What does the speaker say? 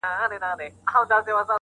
غزل نه نېښ ساز کړي لړم ساز کړي,